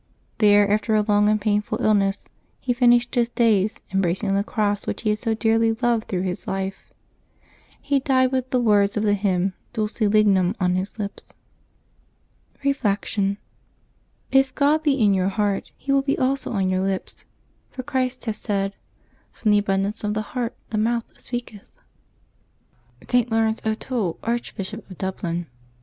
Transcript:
There, after a long and painful illness, he finished his days, embracing the cross, which he had so dearly loved through his life. He died with the words of the h}Tnn " Dulce lignum " on his lips. 358 LIVES OF THE SAINTS [Novkmbee 14 Reflection. — If God be in your heart, He will be also on your lips ; for Christ has said, " From the abundance of the heart the mouth speaketh/' ST. LAURENCE O'TOOLE, Archbishop of Dublin.